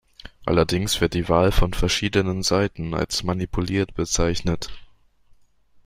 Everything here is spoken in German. Allerdings wird die Wahl von verschiedenen Seiten als manipuliert bezeichnet.